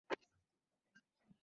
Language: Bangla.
সাবিত্রী, তুমি ঠিক আছো।